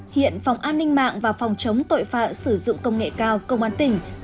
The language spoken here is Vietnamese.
hiện phòng an ninh mạng và phòng chống tội phạm sử dụng công nghệ cao công an tỉnh